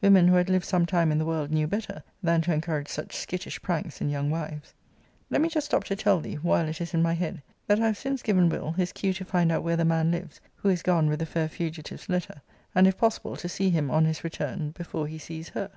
Women who had lived some time in the world knew better, than to encourage such skittish pranks in young wives. Let me just stop to tell thee, while it is in my head, that I have since given Will. his cue to find out where the man lives who is gone with the fair fugitive's letter; and, if possible, to see him on his return, before he sees her.